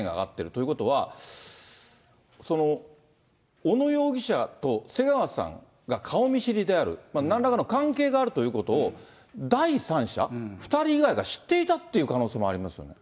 ということは、小野容疑者と瀬川さんが顔見知りである、なんらかの関係があるということを、第三者、２人以外が知っていたという可能性もありますよね。